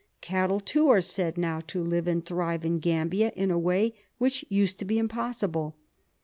Cattle, too, are said now to live and thrive in Gambia in a way which used to be impossible.